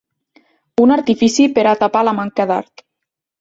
Un artifici per a tapar la manca d'art.